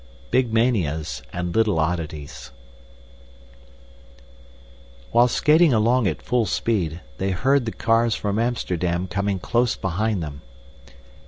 Big Manias and Little Oddities While skating along at full speed, they heard the cars from Amsterdam coming close behind them.